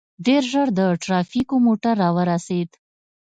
ډېر ژر د ټرافيکو موټر راورسېد.